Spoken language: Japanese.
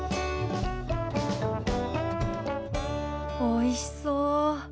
おいしそう。